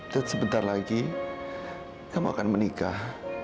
dan sebentar lagi kamu akan menikah